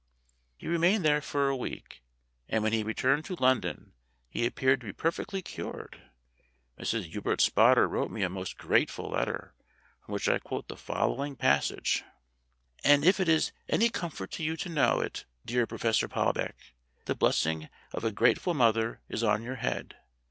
He remained there for a week, and when he returned to London he appeared to be perfectly cured. Mrs. Hubert Spotter wrote me a most grateful letter, from which I quote the following passage : "And if it is any comfort to you to know it, dear Professor Palbeck, the blessing of a grateful mother is on your head.